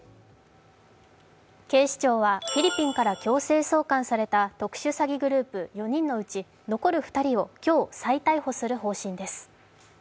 警視庁はフィリピンから強制送還された特殊詐欺グループ４人のうち、残る２人を今日、再逮捕する方針です。